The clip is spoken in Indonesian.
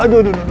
aduh aduh aduh